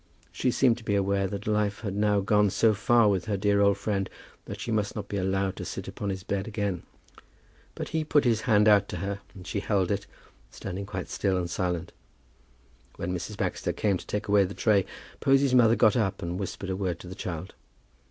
She seemed to be aware that life had now gone so far with her dear old friend that she must not be allowed to sit upon his bed again. But he put his hand out to her, and she held it, standing quite still and silent. When Mrs. Baxter came to take away the tray, Posy's mother got up, and whispered a word to the child.